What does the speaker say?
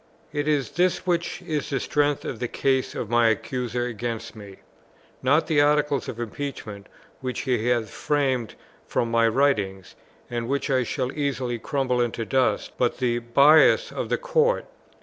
It is this which is the strength of the case of my Accuser against me; not the articles of impeachment which he has framed from my writings, and which I shall easily crumble into dust, but the bias of the court.